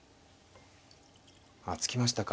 ああ突きましたか。